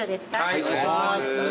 はいお願いします。